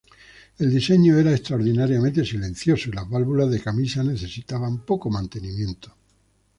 El diseño era extraordinariamente silencioso y las válvulas de camisa necesitaban poco mantenimiento.